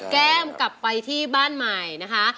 แก้มกลับไปที่บ้านใหม่นะคะ